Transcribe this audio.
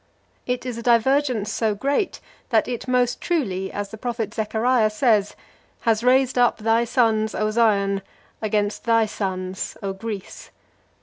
It is a divergence so great that it most truly, as the prophet Zechariah says, "has raised up thy sons, O Zion, against thy sons, O Greece!"